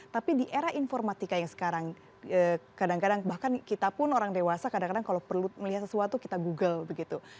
tapi di era informatika yang sekarang kadang kadang bahkan kita pun orang dewasa kadang kadang kalau perlu melihat sesuatu kita google begitu